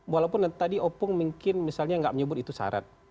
walaupun tadi opung mungkin misalnya nggak menyebut itu syarat